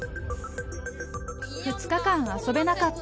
２日間遊べなかった。